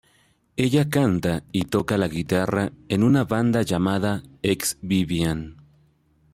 Ella canta y toca la guitarra en una banda llamada Ex Vivian.